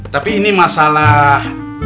tapi ini masalah